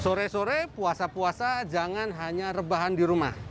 sore sore puasa puasa jangan hanya rebahan di rumah